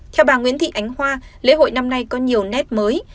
theo bà nguyễn thị ánh hoa lễ hội năm nay có nhiều nét mới